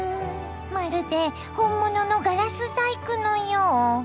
まるで本物のガラス細工のよう。